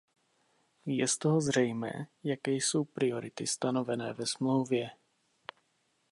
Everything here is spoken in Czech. Je z toho zřejmé, jaké jsou priority stanovené ve Smlouvě.